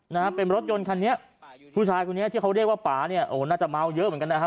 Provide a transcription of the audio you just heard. นะฮะเป็นรถยนต์คันนี้ผู้ชายคนนี้ที่เขาเรียกว่าป่าเนี่ยโอ้โหน่าจะเมาเยอะเหมือนกันนะฮะ